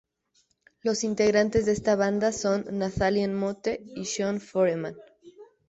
Los integrantes de esta banda son Nathaniel Motte y Sean Foreman.